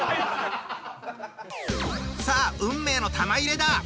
さあ運命の玉入れだ。